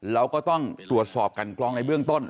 เราก็ต้องตรวจสอบกันกรองในเบื้องต้น